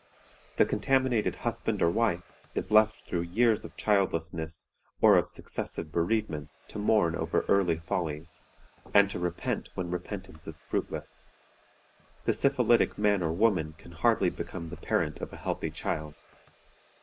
The contaminated husband or wife is left through years of childlessness or of successive bereavements to mourn over early follies, and to repent when repentance is fruitless. The syphilitic man or woman can hardly become the parent of a healthy child.